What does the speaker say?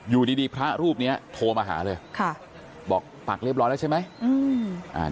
อยู่ดีพระรูปนี้โทรมาหาเลยบอกปักเรียบร้อยแล้วใช่ไหม